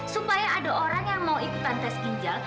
supaya ada orang yang mau ikutan tes ginjal